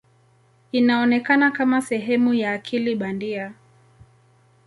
Inaonekana kama sehemu ya akili bandia.